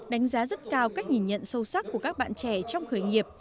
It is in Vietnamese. đánh giá rất cao cách nhìn nhận sâu sắc của các bạn trẻ trong khởi nghiệp